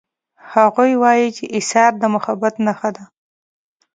هغوی وایي چې ایثار د محبت نښه ده